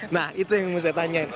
nah itu yang saya tanya